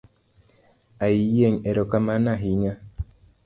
Ayieng’ erokamano ahinya.